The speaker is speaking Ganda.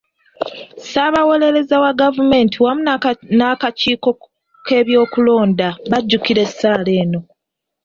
Ssaabawolereza wa gavumenti wamu n'akakiiko k'ebyokulonda bajulira ensala eno.